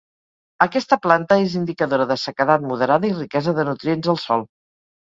Aquesta planta és indicadora de sequedat moderada i riquesa de nutrients al sòl.